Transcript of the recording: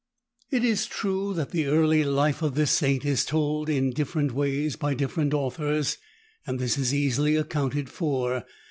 It is true that the early life of this Saint is told in different ways by different authors, and this is easily accounted for.